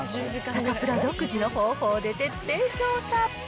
サタプラ独自の方法で徹底調査。